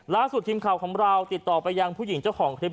ล่าสุดทีมข่าวของเราติดต่อไปยังผู้หญิงเจ้าของคลิป